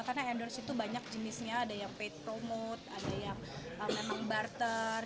karena endorse itu banyak jenisnya ada yang paid promote ada yang memang barter